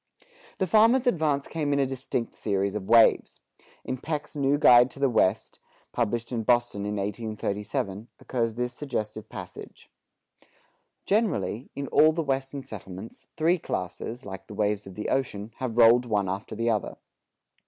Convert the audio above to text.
The farmer's advance came in a distinct series of waves. In Peck's New Guide to the West, published in Boston in 1837, occurs this suggestive passage: Generally, in all the western settlements, three classes, like the waves of the ocean, have rolled one after the other.